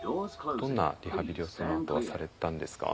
どんなリハビリをそのあとはされたんですか？